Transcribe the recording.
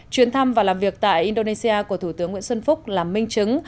chuyến tham và làm việc tại indonesia của thủ tướng nguyễn xuân phúc làm minh chứng